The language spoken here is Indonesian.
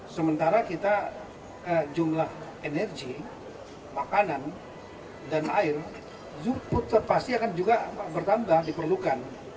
sementara kita jumlah energi makanan dan air pasti akan juga bertambah diperlukan